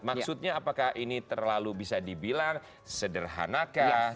maksudnya apakah ini terlalu bisa dibilang sederhanakah